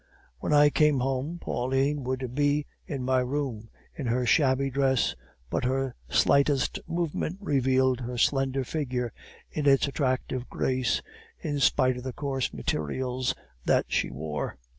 When I came home, Pauline would be in my room, in her shabby dress, but her slightest movement revealed her slender figure in its attractive grace, in spite of the coarse materials that she wore.